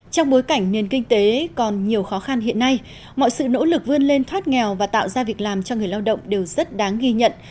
trong bối cảnh nền kinh tế còn nhiều khó khăn hiện nay mọi sự nỗ lực vươn lên thoát nghèo và tạo ra việc làm cho người lao động đều rất đáng ghi nhận